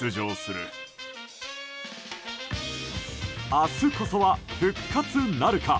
明日こそは復活なるか？